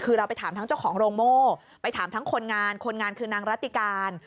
คือเราไปถามทั้งเจ้าของโรงโม่ไปถามทั้งคนงานคนงานคือนางรัติการ